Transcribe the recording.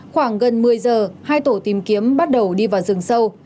khoảng gần một mươi giờ hai tổ tìm kiếm bắt đầu đi vào rừng sâu